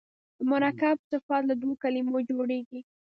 مرکب صفت له دوو کلمو جوړیږي.